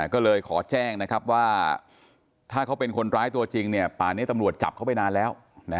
ก็เลยขอแจ้งนะครับว่าถ้าเขาเป็นคนร้ายตัวจริงป่านี้ตำรวจจับเขาไปนานแล้ว